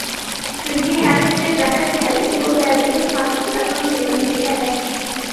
چۈنكى ھەقىقىي بەخت ھەرگىزمۇ بەزىبىر پاكىتلارنىڭ يىغىندىسى ئەمەس.